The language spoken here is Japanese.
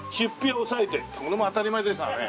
これも当たり前ですわね。